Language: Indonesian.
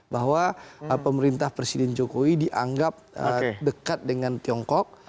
bahwa pemerintah presiden jokowi dianggap dekat dengan tiongkok